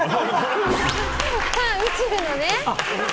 宇宙のね。